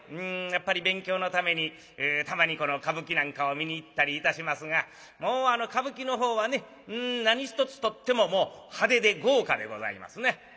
やっぱり勉強のためにたまに歌舞伎なんかを見に行ったりいたしますがもうあの歌舞伎のほうはね何一つとってももう派手で豪華でございますな。